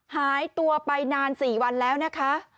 หายตัวไปนาน๔วันแล้วนะคะ